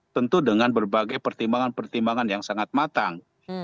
tentu dengan berbagai pertimbangan pertimbangan yang sangat matang